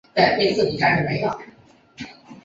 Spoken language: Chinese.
区域内交通设置齐全。